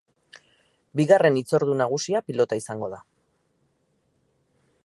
Bigarren hitzordu nagusia pilota izango da.